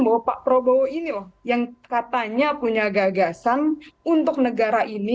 bahwa pak prabowo ini loh yang katanya punya gagasan untuk negara ini